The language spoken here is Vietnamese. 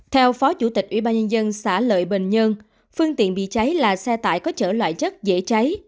theo phó chủ tịch ubnd xã lợi bình nhân phương tiện bị cháy là xe tải có chở loại chất dễ cháy